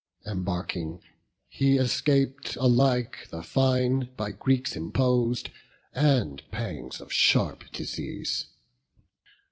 Embarking, he escap'd alike the fine By Greeks impos'd, and pangs of sharp disease.